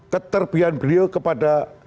keterbian beliau kepada